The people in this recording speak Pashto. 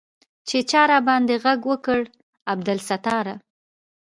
چې چا راباندې ږغ وکړ عبدالستاره.